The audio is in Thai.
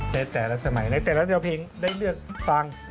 ในแต่ละสมัยในแต่ละแนวเพลงได้เลือกฟัง